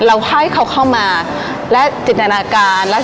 เราให้เขาเข้ามาและจินตนาการและสร้างสรรค์ว่า